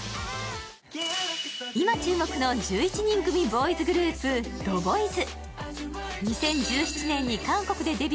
今注目の１１人組ボーイズグループ、ＴＨＥＢＯＹＺ。